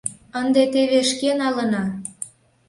— Ынде теве шке налына.